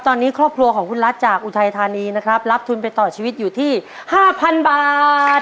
ตอนนี้ครอบครัวของคุณรัฐจากอุทัยธานีนะครับรับทุนไปต่อชีวิตอยู่ที่๕๐๐๐บาท